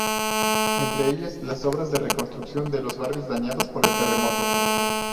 Entre ellas las obras de reconstrucción de los barrios dañados por el terremoto.